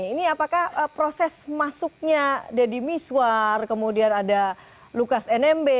ini apakah proses masuknya deddy miswar kemudian ada lukas nmb